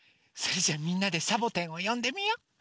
それじゃあみんなでサボてんをよんでみよう！